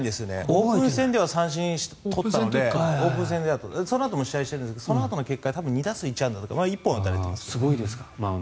オープン戦では三振を取ったのでそのあとも試合してるんですがそのあとの結果で２打数１安打そうなんですね。